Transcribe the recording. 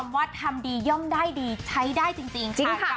ว่าทำดีย่อมได้ดีใช้ได้จริงค่ะ